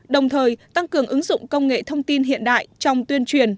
đồng thời tăng cường ứng dụng công nghệ thông tin hiện đại trong tuyên truyền